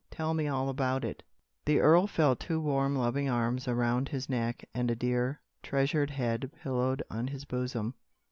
Tell me all about it." The earl felt two warm, loving arms around his neck, and a dear, treasured head pillowed on his bosom.